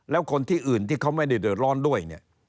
แล้วคนที่อื่นที่เขาไม่ได้เดือดร้อนด้วยเนี่ย